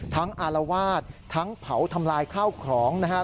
อารวาสทั้งเผาทำลายข้าวของนะครับ